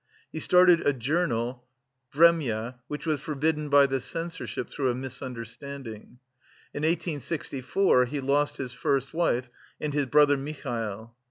He started a journal "Vremya," which was forbidden by the Censorship through a misunderstanding. In 1864 he lost his first wife and his brother Mihail.